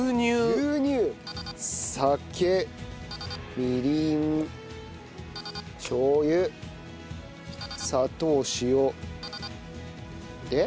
酒みりんしょう油砂糖塩。で。